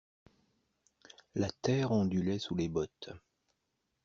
La terre ondulait sous les bottes.